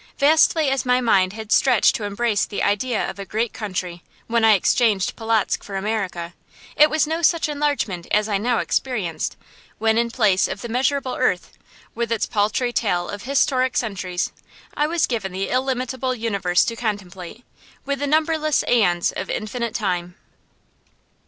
Vastly as my mind had stretched to embrace the idea of a great country, when I exchanged Polotzk for America, it was no such enlargement as I now experienced, when in place of the measurable earth, with its paltry tale of historic centuries, I was given the illimitable universe to contemplate, with the numberless æons of infinite time.